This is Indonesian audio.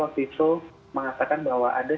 waktu itu mengatakan bahwa ada